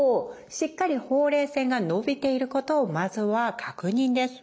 しっかりほうれい線が伸びていることをまずは確認です。